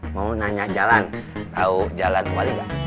mau nanya jalan tau jalan wali ga